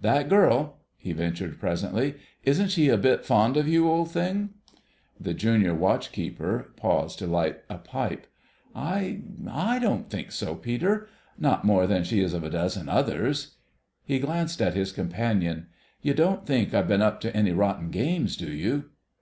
"That girl," he ventured presently, "isn't she a bit fond of you, old thing?" The Junior Watch keeper paused to light a pipe. "I—I don't think so, Peter. Not more than she is of a dozen others." He glanced at his companion: "You don't think I've been up to any rotten games, do you?"